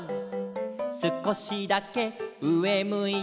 「すこしだけうえむいて」